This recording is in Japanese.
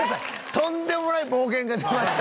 とんでもない暴言が出ました。